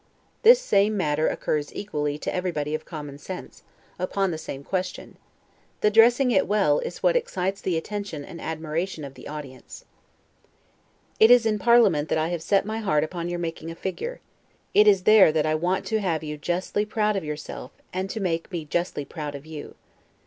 The same matter occurs equally to everybody of common sense, upon the same question; the dressing it well, is what excites the attention and admiration of the audience. It is in parliament that I have set my heart upon your making a figure; it is there that I want to have you justly proud of yourself, and to make me justly proud of you.